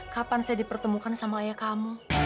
kapan saya dipertemukan sama ayah kamu